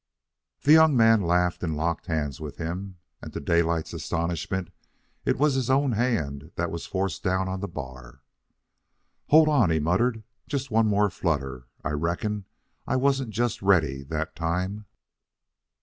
The young man laughed and locked hands with him; and to Daylight's astonishment it was his own hand that was forced down on the bar. "Hold on," he muttered. "Just one more flutter. I reckon I wasn't just ready that time."